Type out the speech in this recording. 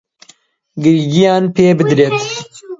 گرنگییان پێ بدرێت